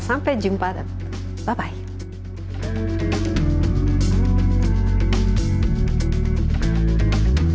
sampai jumpa dan bye bye